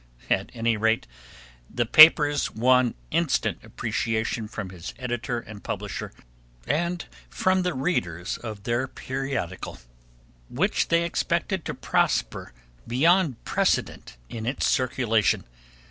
At any rate, the papers won instant appreciation from his editor and publisher, and from the readers of their periodical, which they expected to prosper beyond precedent in its circulation.